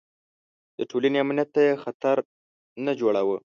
د ټولنې امنیت ته یې خطر نه جوړاوه.